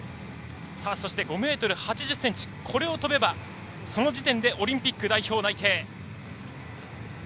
そして、５ｍ８０ｃｍこれを跳べば、その時点でオリンピック代表内定。